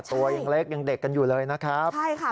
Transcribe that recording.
ตัวยังเล็กยังเด็กกันอยู่เลยนะครับใช่ค่ะ